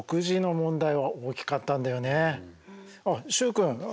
あっ習君